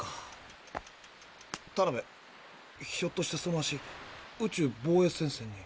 タナベひょっとしてその足宇宙防衛戦線に？